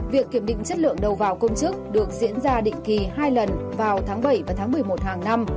việc kiểm định chất lượng đầu vào công chức được diễn ra định kỳ hai lần vào tháng bảy và tháng một mươi một hàng năm